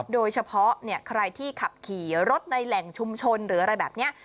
โดยเฉพาะใครที่ขับขี่รถในแหล่งชุมชนหรืออะไรแบบนี้